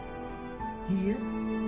いいえ。